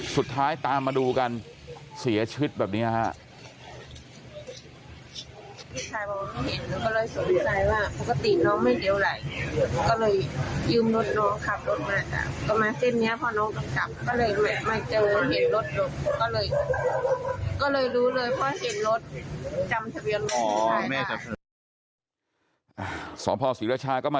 สุดท้ายตามมาดูกันเสียชีวิตแบบนี้ฮะ